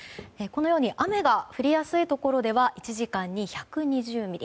雨が降りやすいところでは１時間に１２０ミリ。